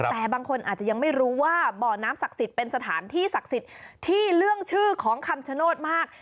แต่บางคนอาจจะยังไม่รู้ว่าบ่อน้ำศักดิ์สิทธิ์เป็นสถานที่ศักดิ์สิทธิ์ที่เรื่องชื่อของคำชโนธมาก